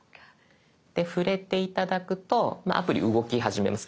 触れて頂くとアプリ動き始めます。